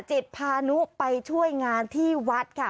จิตพานุไปช่วยงานที่วัดค่ะ